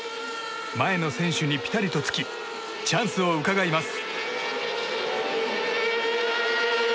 前の選手にピタリとつきチャンスをうかがいます。